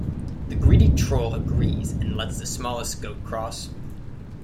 The greedy troll agrees and lets the smallest goat cross.